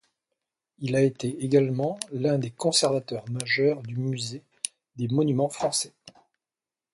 Il a été également l'un des conservateurs majeurs du Musée des monuments français.